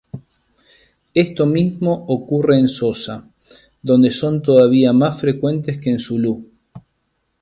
Esto mismo ocurre en xhosa, donde son todavía más frecuentes que en zulú.